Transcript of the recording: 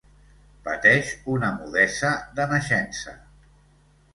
Pateix una mudesa de naixença.